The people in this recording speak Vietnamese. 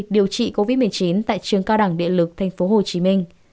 điều trị covid một mươi chín tại trường cao đẳng điện lực tp hcm